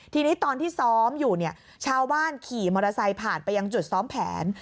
ทีนี้ตอนที่ซ้อมอยู่เนี่ยชาวบ้านขี่มอเตอร์ไซค์ผ่านไปยังจุดซ้อมแผน